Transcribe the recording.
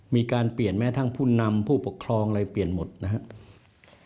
มีการเปลี่ยนแม้ทั้งผู้นำผู้ปกครองอะไรเปลี่ยนหมดนะครับ